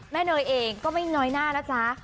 เนยเองก็ไม่น้อยหน้านะจ๊ะ